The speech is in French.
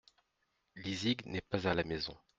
Lizig n’est pas à la maison.